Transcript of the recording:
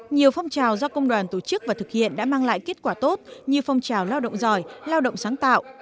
nhiều phong trào do công đoàn tổ chức và thực hiện đã mang lại kết quả tốt như phong trào lao động giỏi lao động sáng tạo